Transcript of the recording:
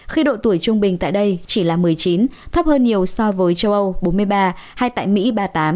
khi độ tuổi trung bình tại đây chỉ là một mươi chín thấp hơn nhiều so với châu âu bốn mươi ba hay tại mỹ ba mươi tám